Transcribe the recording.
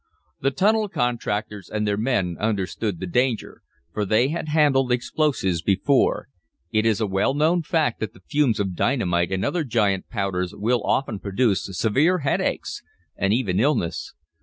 The tunnel contractors and their men understood the danger, for they had handled explosives before. It is a well known fact that the fumes of dynamite and other giant powders will often produce severe headaches, and even illness.